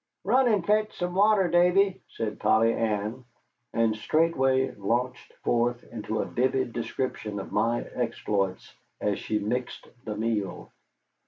"Run and fetch some water, Davy," said Polly Ann, and straightway launched forth into a vivid description of my exploits, as she mixed the meal.